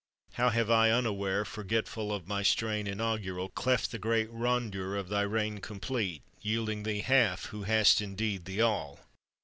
How have I, unaware, Forgetful of my strain inaugural, Cleft the great rondure of thy reign complete, Yielding thee half, who hast indeed the all?